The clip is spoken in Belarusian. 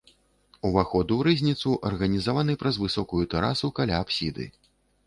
Уваход у рызніцу арганізаваны праз высокую тэрасу каля апсіды.